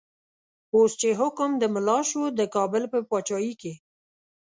اوس چه حکم د ملا شو، دکابل په پاچایی کی